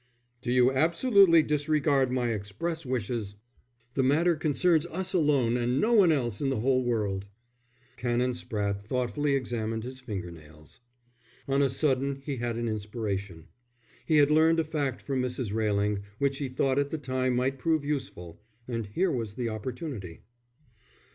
"Do you absolutely disregard my express wishes?" "The matter concerns us alone, and no one else in the whole world." Canon Spratte thoughtfully examined his finger nails. On a sudden he had an inspiration. He had learned a fact from Mrs. Railing, which he thought at the time might prove useful, and here was the opportunity.